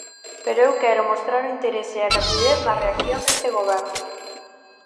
Pero eu quero mostrar o interese e a rapidez na reacción deste Goberno.